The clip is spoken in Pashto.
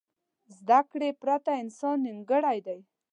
زده کړې پرته انسان نیمګړی دی.